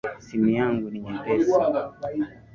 Simu yangu ni nyepesi